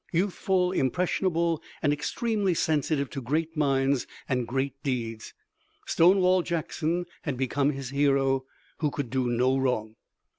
Youthful, impressionable and extremely sensitive to great minds and great deeds, Stonewall Jackson had become his hero, who could do no wrong.